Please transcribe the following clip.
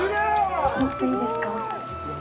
持っていいですか？